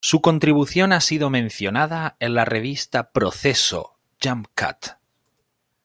Su contribución ha sido mencionada en la revista Proceso, "Jump Cut.